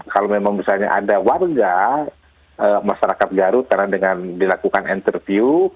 kalau memang misalnya ada warga masyarakat garut karena dengan dilakukan interview